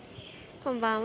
こんばんは。